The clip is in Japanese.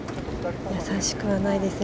易しくはないですね。